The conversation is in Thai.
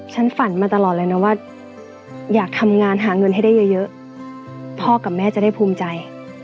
ฉันฝันมาตลอดเลยนะว่าอยากทำงานหาเงินให้ได้เยอะพ่อกับแม่จะได้ภูมิใจ